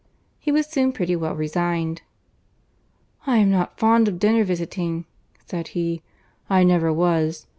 He was soon pretty well resigned. "I am not fond of dinner visiting," said he—"I never was.